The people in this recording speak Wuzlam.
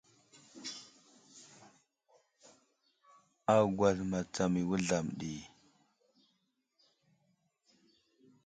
Agwal matsam i wuzlam ɗi.